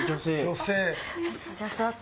女性。